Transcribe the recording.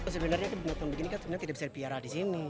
sebenarnya binatang begini kan sebenarnya tidak bisa dipiara di sini